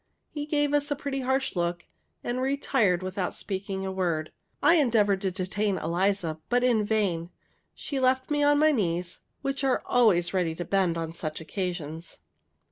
He gave us a pretty harsh look, and retired without speaking a word. I endeavored to detain Eliza, but in vain. She left me on my knees, which are always ready to bend on such occasions.